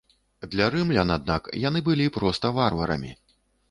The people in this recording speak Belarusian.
Для рымлян аднак яны былі проста варварамі.